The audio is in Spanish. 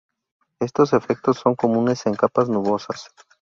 Estos efectos son comunes en capas nubosas.